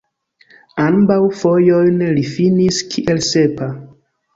Ambaŭ fojojn li finis kiel sepa.